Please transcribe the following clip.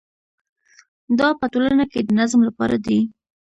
دا په ټولنه کې د نظم لپاره دی.